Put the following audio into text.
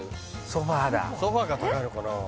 ソファだソファが高いのかな？